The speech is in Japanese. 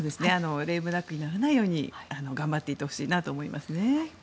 レームダックにならないように頑張っていってほしいと思います。